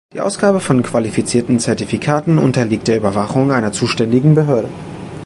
Die Ausgabe von qualifizierten Zertifikaten unterliegt der Überwachung einer zuständigen Behörde.